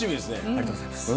ありがとうございます。